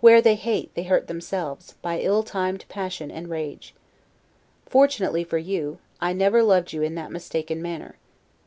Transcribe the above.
Where they hate they hurt themselves, by ill timed passion and rage. Fortunately for you, I never loved you in that mistaken manner.